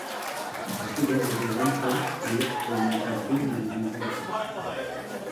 Betidanik egon zen elektronikarekin liluratuta.